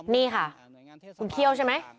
นี่ค่ะคุณเขี้ยวใช่ไหม